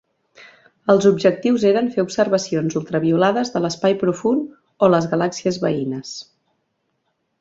Els objectius eren fer observacions ultraviolades de l'espai profund o les galàxies veïnes.